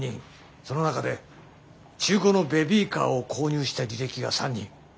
その中で中古のベビーカーを購入した履歴が３人。